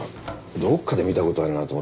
どっかで見たことあるなと思って。